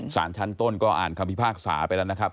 สารชั้นต้นก็อ่านคำพิพากษาไปแล้วนะครับ